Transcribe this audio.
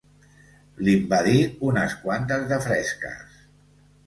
Li'n va dir unes quantes de fresques.